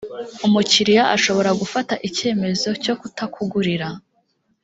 umukiriya ashobora gufata icyemezo cyo kutakugurira